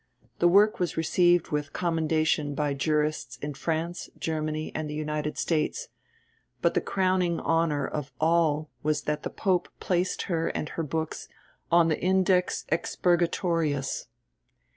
The work was received with commendation by jurists in France, Germany, and the United States, but the crowning honour of all was that the Pope placed her and her books on the "Index Expurgatorius."